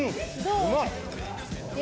うまっ！